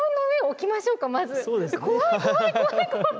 怖い怖い怖い怖い！